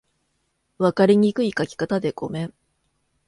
分かりにくい書き方でごめん